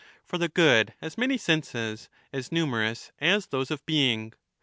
For the good has many senses, as numerous as those of being.